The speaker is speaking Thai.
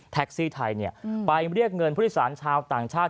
แท็กซี่ไทยไปเรียกเงินผู้ลิสารชาวต่างชาติ